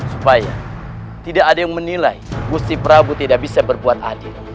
supaya tidak ada yang menilai gusti prabu tidak bisa berbuat adil